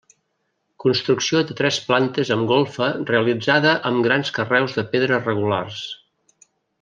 Construcció de tres plantes amb golfa realitzada amb grans carreus de pedra regulars.